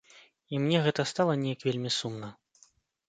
І мне гэта стала неяк вельмі сумна.